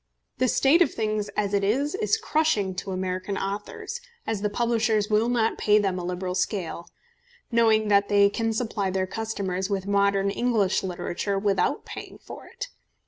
The state of things as it is is crushing to American authors, as the publishers will not pay them on a liberal scale, knowing that they can supply their customers with modern English literature without paying for it.